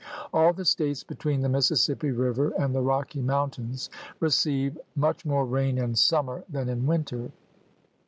All the States between the Mississippi River and the Rocky Mountains receive much more rain in summer than in winter.